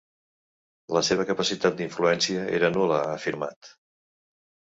La seva capacitat d’influència era nul·la, ha afirmat.